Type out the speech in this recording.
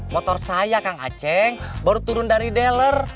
motor saya kang aceh baru turun dari deller